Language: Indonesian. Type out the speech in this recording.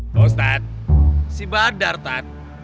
loh stat si badar tat